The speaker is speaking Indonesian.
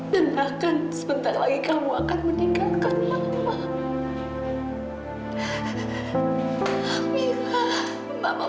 dan bahkan sebentar lagi kamu akan meninggalkan mama